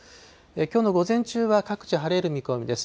きょうの午前中は各地晴れる見込みです。